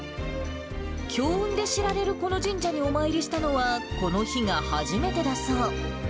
強運で知られるこの神社にお参りしたのは、この日が初めてだそう。